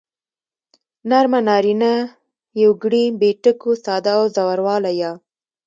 نرمه نارينه يوگړې بې ټکو ساده او زورواله يا